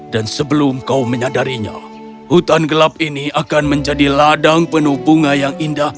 dan sebelum kau menyadarinya hutan gelap ini akan menjadi ladang penuh bunga yang indah